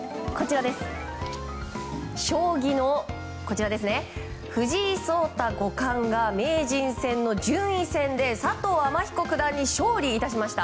将棋の藤井聡太五冠が名人戦の順位戦で佐藤天彦九段に勝利いたしました。